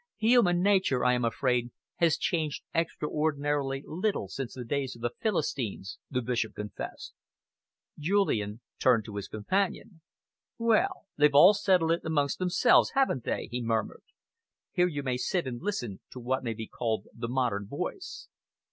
"Human nature, I am afraid, has changed extraordinarily little since the days of the Philistines," the Bishop confessed. Julian turned to his companion. "Well, they've all settled it amongst themselves, haven't they?" he murmured. "Here you may sit and listen to what may be called the modern voice."